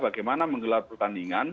bagaimana menggelar pertandingan